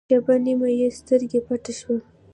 شېبه نیمه یې سترګه پټه شوه.